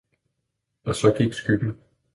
og så gik skyggen.